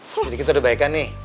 jadi kita udah baik baik nih